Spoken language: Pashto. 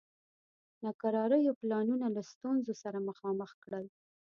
ناکراریو پلانونه له ستونزو سره مخامخ کړل.